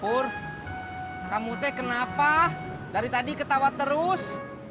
bur kamu teh kenapa dari tadi ketawa terus